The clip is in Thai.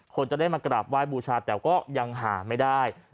คนจะได้มากราบไหว้บูชาแต่ก็ยังหาไม่ได้